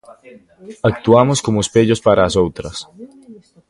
Actuamos como espellos para as outras.